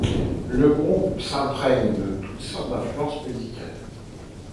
Le groupe s'imprègne de toutes sortes d'influences musicales.